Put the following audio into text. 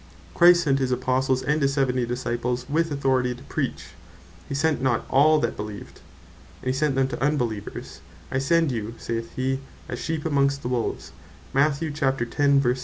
Christ sent his Apostles, and his Seventy Disciples, with authority to preach; he sent not all that beleeved: And he sent them to unbeleevers; "I send you (saith he) as sheep amongst wolves;" not as sheep to other sheep.